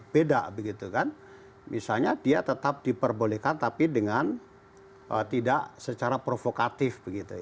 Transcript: beda begitu kan misalnya dia tetap diperbolehkan tapi dengan tidak secara provokatif